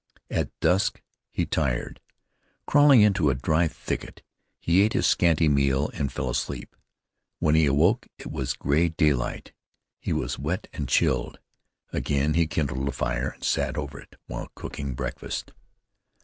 At dusk he tired. Crawling into a dry thicket, he ate his scanty meal and fell asleep. When he awoke it was gray daylight. He was wet and chilled. Again he kindled a fire, and sat over it while cooking breakfast.